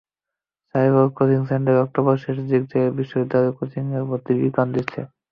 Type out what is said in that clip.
সাইফুরস coaching centre অক্টোবরের শেষ দিক থেকে বিশ্ববিদ্যালয়ে ভর্তি কোচিংয়ে ভর্তির বিজ্ঞাপন দিচ্ছে।